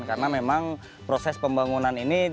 karena memang proses pembangunan ini